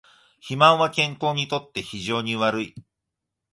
肥満は健康にとって非常に悪い